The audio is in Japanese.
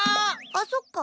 あそっか。